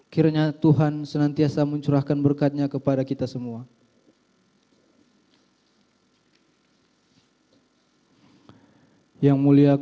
kiranya tuhan senantiasa mencurahkan berkatnya kepada kita semua